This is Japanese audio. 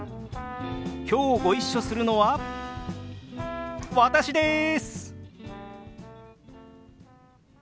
きょうご一緒するのは私です！